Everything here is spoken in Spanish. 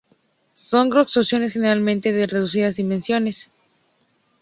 Son construcciones generalmente de reducidas dimensiones.